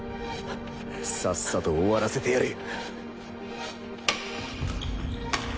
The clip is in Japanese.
さっさと終わらせてやる！